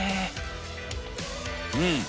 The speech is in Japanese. うん！